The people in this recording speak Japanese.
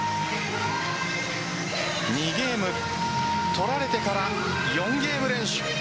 ２ゲーム取られてから４ゲーム連取。